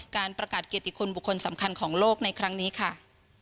การประกาศเกียรติคุณบุคคลสำคัญของโลกในครั้งนี้ค่ะ